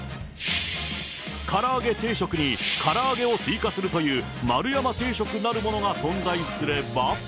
から揚げ定食にから揚げを追加するという、丸山定食なるものが存在すれば。